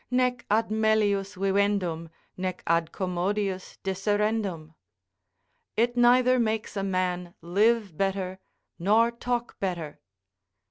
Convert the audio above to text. "Nec ad melius vivendum, nec ad commodius disserendum." ["It neither makes a man live better nor talk better."